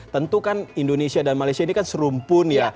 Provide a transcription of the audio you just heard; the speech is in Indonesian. tentu kan indonesia dan malaysia ini kan serumpun ya